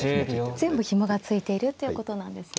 全部ひもが付いているっていうことなんですね。